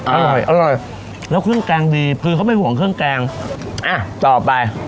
อร่อยอร่อยแล้วเครื่องแกงดีคือเขาไม่ห่วงเครื่องแกงอ่ะต่อไป